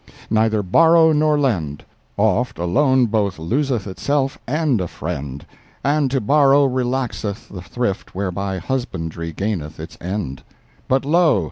Neither borrow nor lend—oft a loan Both loseth itself and a friend, And to borrow relaxeth the thrift Whereby husbandry gaineth its end. But lo!